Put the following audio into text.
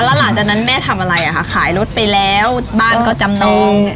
แล้วหลังจากนั้นแม่ทำอะไรอ่ะคะขายรถไปแล้วบ้านก็จำนอง